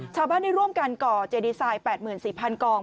ชาวบ้านได้ร่วมกันก่อเจดีไซน์๘๔๐๐กอง